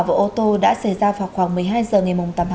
và ô tô đã xảy ra vào khoảng một mươi hai h